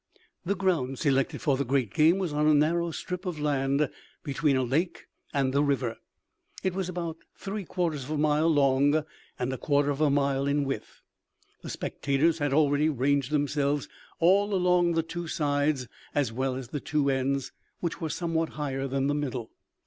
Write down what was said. The ground selected for the great game was on a narrow strip of land between a lake and the river. It was about three quarters of a mile long and a quarter of a mile in width. The spectators had already ranged themselves all along the two sides, as well as at the two ends, which were somewhat higher than the middle.